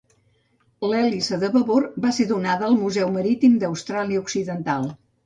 L'hèlice de babord va ser donada al Museu Marítim d'Austràlia Occidental.